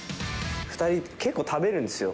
２人、結構食べるんですよ。